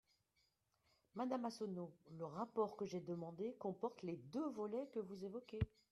Madame Massonneau, le rapport que j’ai demandé comporte les deux volets que vous évoquez.